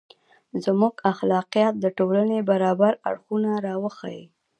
• زموږ اخلاقیات د ټولنې برابر اړخونه راوښيي.